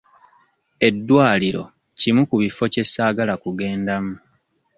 Eddwaliro kimu ku bifo kye saagala kugendamu.